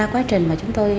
quá trình mà chúng tôi